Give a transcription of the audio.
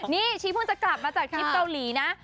นี่ชีเพิ่งจะกลับมาจากทริปเกาหลีนะ